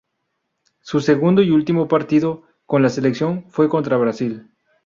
Su segundo y último partido con la selección fue contra Brasil.